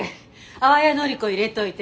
淡谷のり子入れといて。